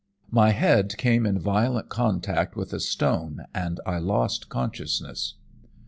My head came in violent contact with a stone, and I lost consciousness.